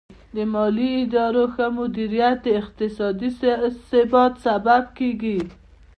د مالي ادارو ښه مدیریت د اقتصادي ثبات سبب کیږي.